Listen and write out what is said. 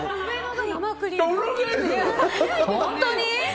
本当に？